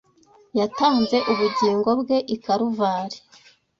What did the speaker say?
Yatanze ubugingo bwe i Karuvari